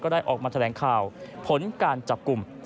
ได้ออกมาแถลงข่าวผลการจับกลุ่ม